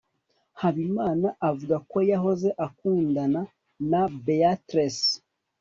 habimana avuga ko yahoze akundana na beatles